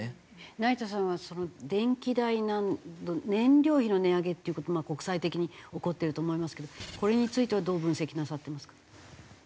成田さんはその電気代燃料費の値上げっていう事が国際的に起こってると思いますけどこれについてはどう分析なさってますか？